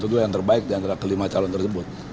itu yang terbaik diantara kelima calon tersebut